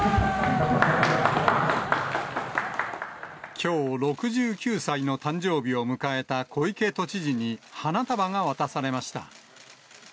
きょう６９歳の誕生日を迎えた小池都知事に、花束が渡されました。